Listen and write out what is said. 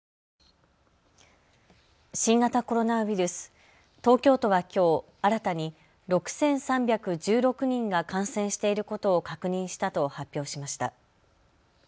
新型コロナウイルス、東京都はきょう新たに６３１６人が感染していることを確認したと発表しました。